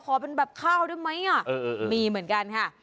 ขอเป็นแบบข้าวได้ไหมอ่ะเออเออเออมีเหมือนกันค่ะ